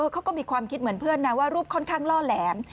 เขาก็มีความคิดเหมือนเพื่อนนะว่ารูปค่อนข้างล่อแหลม